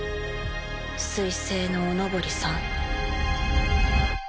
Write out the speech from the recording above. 水星のお上りさん。